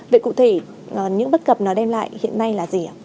vậy cụ thể những bất cập nó đem lại hiện nay là gì ạ